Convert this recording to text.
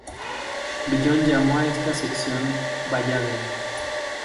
Villon llamó a esta sección "Ballade".